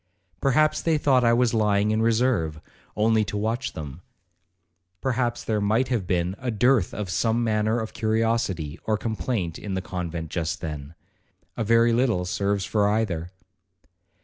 Perhaps they thought I was lying in reserve, only to watch them. Perhaps there might have been a dearth of some matter of curiosity or complaint in the convent just then,—a very little serves for either.